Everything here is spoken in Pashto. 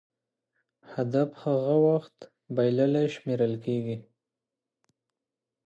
هدف هغه وخت بایللی شمېرل کېږي.